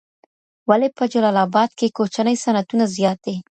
ولي په جلال اباد کي کوچني صنعتونه زیات دي؟